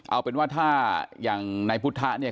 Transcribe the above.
เอาเป็นว่าถ้าอย่างในพุทธะเนี่ย